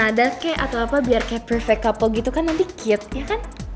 nah dad kayak atau apa biar kayak perfect couple gitu kan nanti cute ya kan